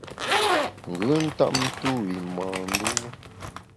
Ngùn ntap ntu’w i mâ ndû.